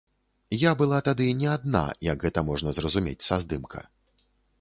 Я была тады не адна, як гэта можна зразумець са здымка.